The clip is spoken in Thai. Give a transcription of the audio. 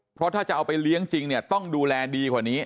เพราะถ้าจะเอาไปเลี้ยงจริงเนี่ยต้องดูแลดีกว่านี้